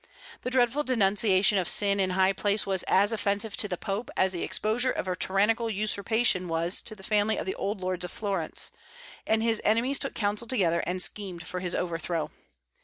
The dreadful denunciation of sin in high places was as offensive to the Pope as the exposure of a tyrannical usurpation was to the family of the old lords of Florence; and his enemies took counsel together, and schemed for his overthrow.